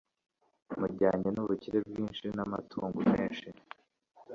mujyanye n'ubukire bwinshi n'amatungo menshi